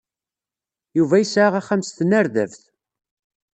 Yuba yesɛa axxam s tnerdabt.